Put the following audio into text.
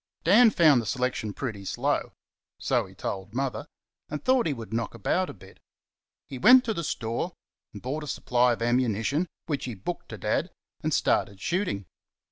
Dan found the selection pretty slow so he told Mother and thought he would knock about a bit. He went to the store and bought a supply of ammunition, which he booked to Dad, and started shooting.